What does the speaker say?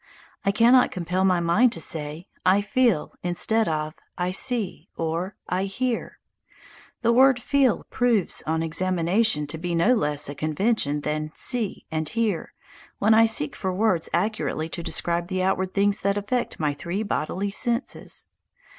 I cannot compel my mind to say "I feel" instead of "I see" or "I hear." The word "feel" proves on examination to be no less a convention than "see" and "hear" when I seek for words accurately to describe the outward things that affect my three bodily senses.